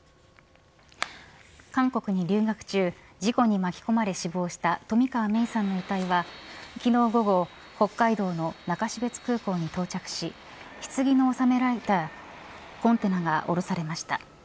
韓国に留学中事故に巻き込まれ死亡した冨川芽生さんの遺体は昨日午後、北海道の中標津空港に到着しひつぎの納められたコンテナが降ろされました。